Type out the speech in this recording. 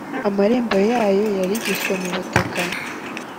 Amarembo yayo yarigise mu butaka,